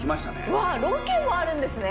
わあロケもあるんですね。